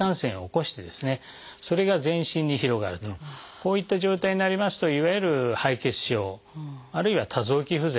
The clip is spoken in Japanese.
こういった状態になりますといわゆる敗血症あるいは多臓器不全。